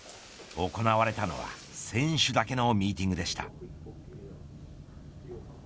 行われたのは選手だけのミーティングでした。